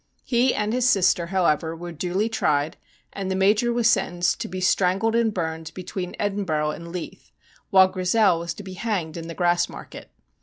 He and his sister, however, were duly tried, and the Major was sentenced to be ' strangled and burned between Edinburgh and Leith,' while Grizel was to be hanged in the Grassmarket.